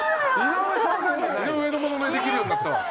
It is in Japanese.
井上のモノマネできるようになった！